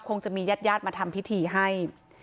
คงจะมีญาติญาติมาทำพิธีให้